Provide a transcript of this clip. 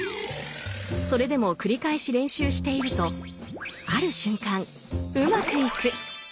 それでも繰り返し練習しているとある瞬間うまくいく。